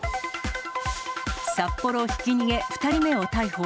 札幌ひき逃げ、２人目を逮捕。